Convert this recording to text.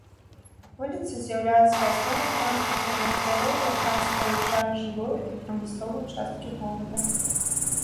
Вуліца з'яўляецца асноўнай транспартнай артэрыяй, якая спалучае жылую і прамысловую часткі горада.